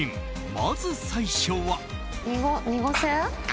まず最初は。